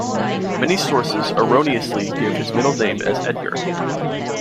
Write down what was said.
Many sources erroneously give his middle name as Edgar.